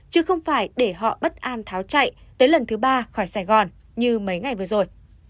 chứ không phải để họ bất an tháo chạy tới lần thứ ba khỏi sài gòn như mấy ngày vừa rồi